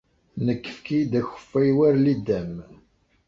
Nekk efk-iyi-d akeffay war lidam.